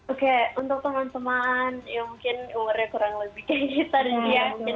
oke untuk teman teman yang mungkin umurnya kurang lebih kayak gitu ya